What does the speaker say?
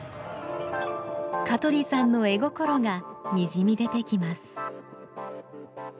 香取さんの絵心がにじみ出てきます